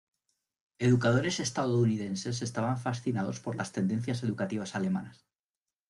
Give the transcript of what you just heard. Educadores estadounidenses estaban fascinados por las tendencias educativas alemanas.